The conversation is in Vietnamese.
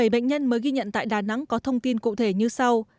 bảy bệnh nhân mới ghi nhận tại đà nẵng có thông tin cụ thể như sau